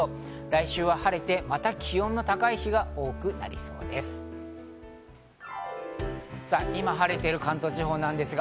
来週は晴れて、また気温の高い日が多くなりそうです。